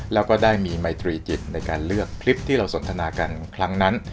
แล้วก็ได้มีไมตรีจิตในการเลือกคลิปที่เราสนทนากันครั้งนั้น